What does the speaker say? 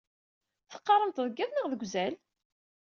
Teqqaṛemt deg iḍ neɣ deg uzal?